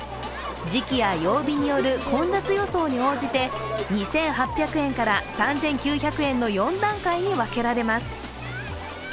時期や曜日による混雑予想に応じて２８００円から３９００円の４段階に分けられます。